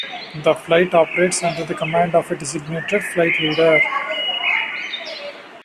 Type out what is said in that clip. The flight operates under the command of a designated flight leader.